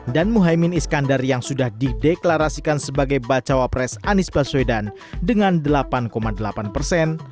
dan muhaymin iskandar yang sudah dideklarasikan sebagai bakal cawapres anies baswedan dengan delapan delapan persen